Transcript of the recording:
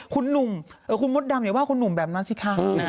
คุณหนุ่มเอ่อคุณมตดำเนี่ยว่าคุณหนุ่มแบบนั้นขี้ข้าง